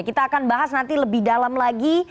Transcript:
kita akan bahas nanti lebih dalam lagi